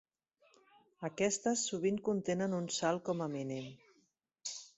Aquestes sovint contenen un salt com a mínim.